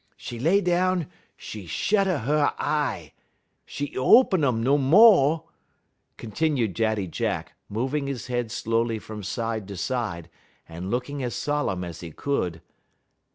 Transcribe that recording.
'E lay down, 'e shed a 'e y eye. 'E y open um no mo'," continued Daddy Jack, moving his head slowly from side to side, and looking as solemn as he could.